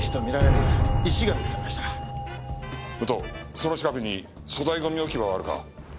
その近くに粗大ゴミ置き場はあるか？